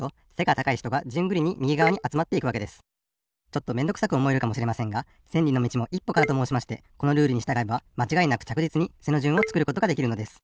ちょっとめんどくさくおもえるかもしれませんが「千里の道も一歩から」ともうしましてこのルールにしたがえばまちがいなくちゃくじつに背の順をつくることができるのです。